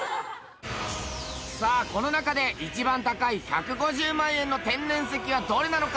さあこの中で一番高い１５０万円の天然石はどれなのか？